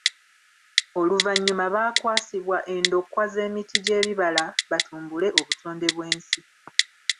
Oluvannyuma baakwasibwa endokwa z’emiti gy’ebibala batumbule obutonde bw’ensi.